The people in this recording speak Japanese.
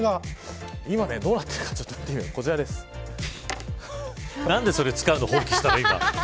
今、どうなっているかというと何でそれ使うの、放棄したの。